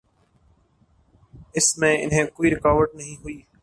اس میں انہیں کوئی رکاوٹ نہ ہوئی۔